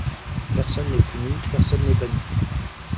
Personne n’est puni, personne n’est banni.